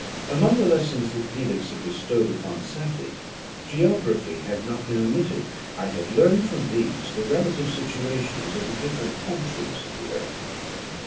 Among the lessons that Felix had bestowed upon Safie, geography had not been omitted: I had learned from these the relative situations of the different countries of the earth.